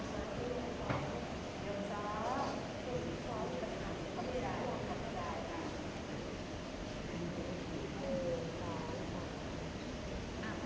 สวัสดีครับสวัสดีครับ